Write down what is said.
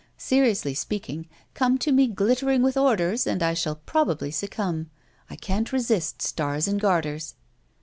Seriously speaking, come to me glittering with orders and I shall probably succumb. I can't resist stars and garters.